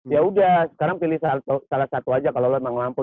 ya udah sekarang pilih salah satu aja kalo lo emang mampu